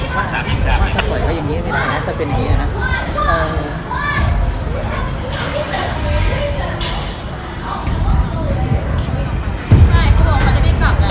ตอนที่สุดมันกลายเป็นสิ่งที่ไม่มีความคิดว่ามันกลายเป็นสิ่งที่ไม่มีความคิดว่า